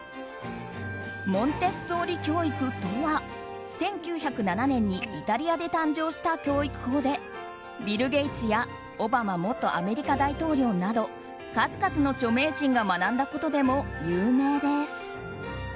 モンテッソーリ教育とは１９０７年にイタリアで誕生した教育法でビル・ゲイツやオバマ元アメリカ大統領など数々の著名人が学んだことでも有名です。